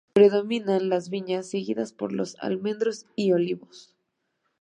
Predominan las viñas, seguidas por los almendros y olivos.